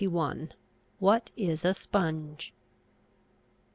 WHAT IS A SPONGE?